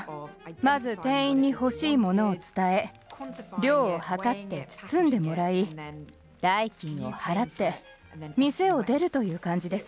まず店員に欲しいものを伝え量をはかって包んでもらい代金を払って店を出るという感じです。